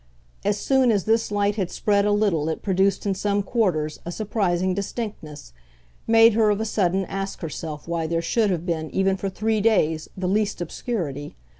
As soon as this light had spread a little it produced in some quarters a surprising distinctness, made her of a sudden ask herself why there should have been even for three days the least obscurity.